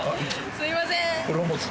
すいません